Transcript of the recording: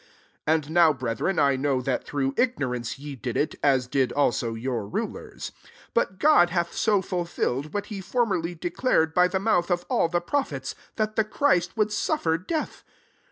17 And now, brethren, I know that through ignorance ye did it; as did also your rulers. 18 But God hath so fulfilled what he formerly declared by the mouth of all the* prophets, That the Christ would suffer death.